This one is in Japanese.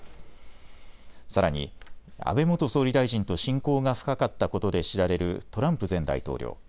さらに安倍元総理大臣と親交が深かったことで知られるトランプ前大統領。